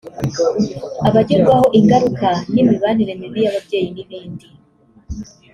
abagirwaho ingaruka n’imibanire mibi y’ababyeyi n’ibindi